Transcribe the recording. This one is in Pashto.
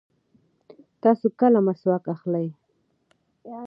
تاسو کله مسواک اخلئ؟